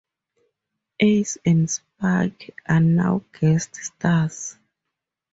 Ace and Spike are now guest stars.